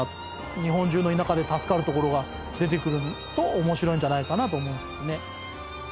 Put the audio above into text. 日本中の田舎で助かるところが出てくると面白いんじゃないかなと思うんですけどね。